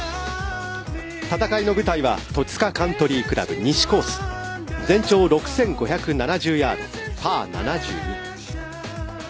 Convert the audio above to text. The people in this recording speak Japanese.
戦いの舞台は戸塚カントリー倶楽部、西コース全長６５７０ヤード、パー７２。